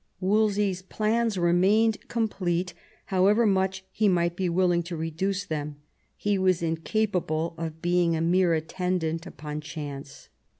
Wolsey's plans remained complete, however much he might be willing to reduce them ; he was in capable of being a mere attendant upon chance.